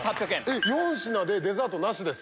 ４品でデザートなしです。